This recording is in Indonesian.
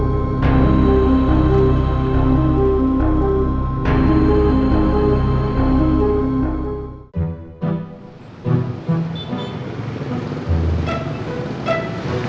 sampai jumpa lagi